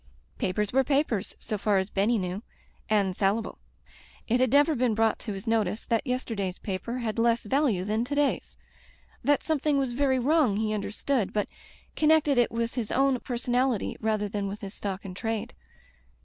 Papers were papers, so far as Benny knew, and salable. It had never been brought to his notice that yesterday's paper had less value than to day's. That something was very wrong he understood, but connected it with his own personality rather than with his stock in trade.